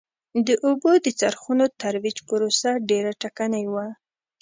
د اوبو د څرخونو ترویج پروسه ډېره ټکنۍ وه.